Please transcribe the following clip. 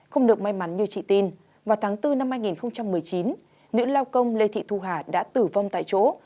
không được may mắn như chị tin vào tháng bốn năm hai nghìn một mươi chín nữ lao công lê thị thu hà đã tử vong tại chỗ